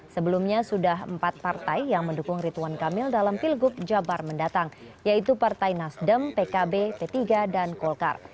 sebelumnya sudah empat partai yang mendukung rituan kamil dalam pilgub jabar mendatang yaitu partai nasdem pkb p tiga dan golkar